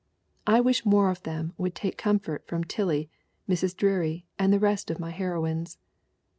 I wish more of them would take comfort from Tillie, Mrs. Dreary, and the rest of my heroines.